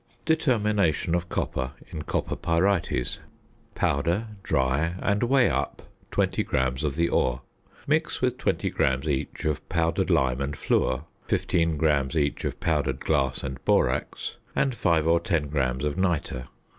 ~Determination of Copper in Copper Pyrites.~ Powder, dry, and weigh up 20 grams of the ore. Mix with 20 grams each of powdered lime and fluor, 15 grams each of powdered glass and borax, and 5 or 10 grams of nitre.